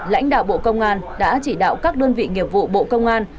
lãnh đạo bộ công an đã chỉ đạo các đơn vị nghiệp vụ bộ công an